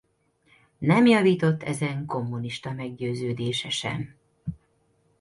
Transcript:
Nem javított ezen kommunista meggyőződése sem.